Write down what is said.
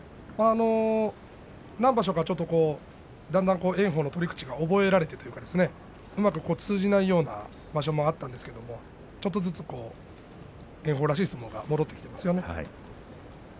何場所かちょっと、だんだん炎鵬の取り口が覚えられていってうまく通じないような場所もあったんですがちょっとずつ炎鵬らしい相撲が戻ってきていますね。